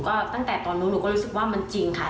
ก็ตั้งแต่ตอนนู้นหนูก็รู้สึกว่ามันจริงค่ะ